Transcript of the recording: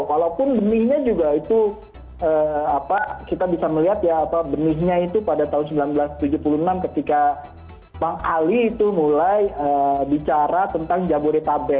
walaupun benihnya juga itu kita bisa melihat ya benihnya itu pada tahun seribu sembilan ratus tujuh puluh enam ketika bang ali itu mulai bicara tentang jabodetabek